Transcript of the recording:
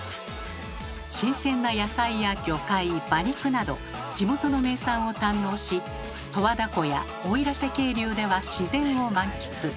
新鮮な野菜や魚介馬肉など地元の名産を堪能し十和田湖や奥入瀬渓流では自然を満喫。